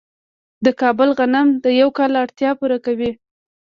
د کابل غنم د یو کال اړتیا پوره کوي.